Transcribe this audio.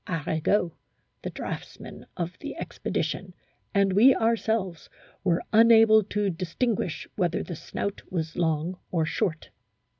Arago (the draughtsman of the expedition) and we ourselves were unable to distinguish whether the snout was long or short."